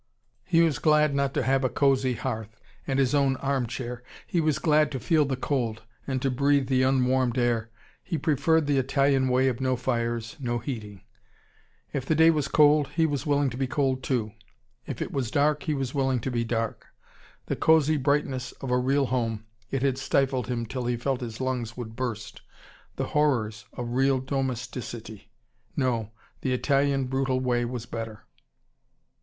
He was glad not to have a cosy hearth, and his own arm chair. He was glad to feel the cold, and to breathe the unwarmed air. He preferred the Italian way of no fires, no heating. If the day was cold, he was willing to be cold too. If it was dark, he was willing to be dark. The cosy brightness of a real home it had stifled him till he felt his lungs would burst. The horrors of real domesticity. No, the Italian brutal way was better.